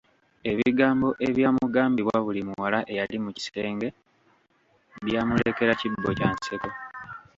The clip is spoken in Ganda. Ebigambo ebyamugambibwa buli muwala eyali mu kisenge byamulekera kibbo kya nseko.